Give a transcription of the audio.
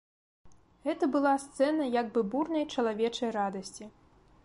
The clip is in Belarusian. Гэта была сцэна як бы бурнай чалавечай радасці.